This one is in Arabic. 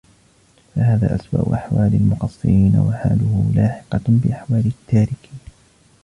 فَهَذَا أَسْوَأُ أَحْوَالِ الْمُقَصِّرِينَ وَحَالُهُ لَاحِقَةٌ بِأَحْوَالِ التَّارِكِينَ